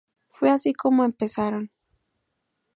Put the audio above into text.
Fue así, como empezaron.